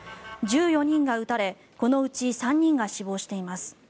１４人が撃たれこのうち３人が死亡しています。